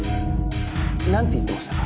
何て言ってましたか？